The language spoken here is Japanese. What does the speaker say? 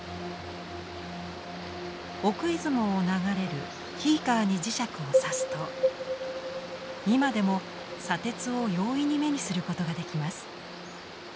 奥出雲を流れる斐伊川に磁石をさすと今でも砂鉄を容易に目にすることができます。